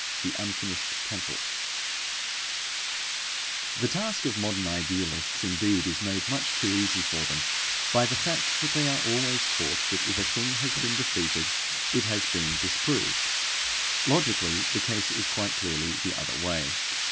THE UNFINISHED TEMPLE The task of modern idealists indeed is made much too easy for them by the fact that they are always taught that if a thing has been defeated it has been disproved. Logically, the case is quite clearly the other way.